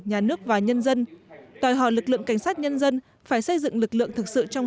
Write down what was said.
nhà nước và nhân dân đòi hỏi lực lượng cảnh sát nhân dân phải xây dựng lực lượng thực sự trong